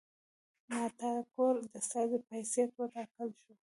ناتان کرو د استازي په حیث وټاکل شو.